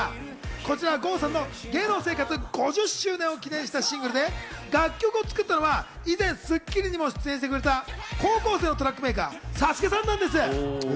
こちらは郷さんの芸能生活５０周年を記念したシングルで楽曲を作ったのは以前『スッキリ』にも出演してくれた高校生のトラックメーカーＳＡＳＵＫＥなんです。